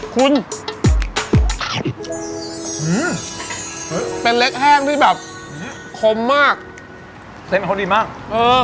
คุณเป็นเล็กแห้งที่แบบคมมากเส้นเขาดีมากเออ